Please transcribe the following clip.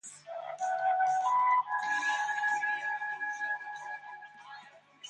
The car was later sold for scrap value.